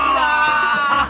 アハハハハ！